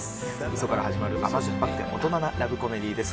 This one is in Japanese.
嘘から始まる甘酸っぱくて大人なラブコメディーです。